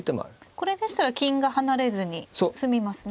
これでしたら金が離れずに済みますね。